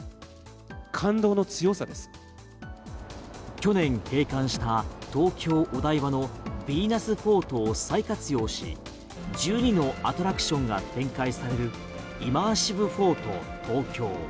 去年、閉館した東京・お台場のヴィーナスフォートを再活用し１２のアトラクションが展開されるイマーシブ・フォート東京。